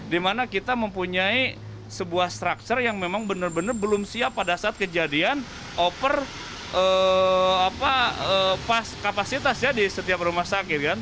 dimana kita mempunyai sebuah structure yang memang benar benar belum siap pada saat kejadian over kapasitas ya di setiap rumah sakit kan